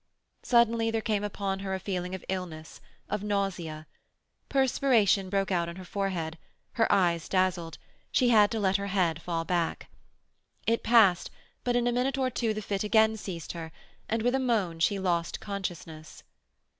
Suddenly there came upon her a feeling of illness, of nausea. Perspiration broke out on her forehead; her eyes dazzled; she had to let her head fall back. It passed, but in a minute or two the fit again seized her, and with a moan she lost consciousness.